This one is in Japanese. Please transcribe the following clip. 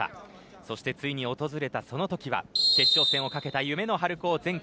そしてついに訪れたその時は決勝戦をかけた夢の春高全国